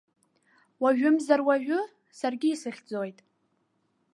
Уажәымзар-уажәы саргьы исыхьӡоит.